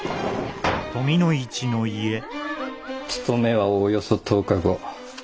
つとめはおおよそ１０日後。